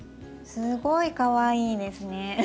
すごいかわいいですね。